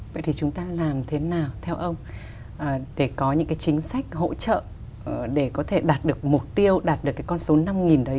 vậy thì chúng ta làm thế nào theo ông để có những cái chính sách hỗ trợ để có thể đạt được mục tiêu đạt được cái con số năm đấy